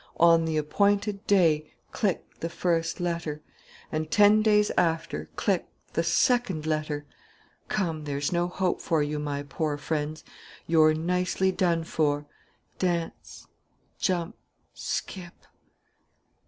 On the appointed day, click, the first letter! And, ten days after, click, the second letter! Come, there's no hope for you, my poor friends, you're nicely done for. Dance! Jump! Skip!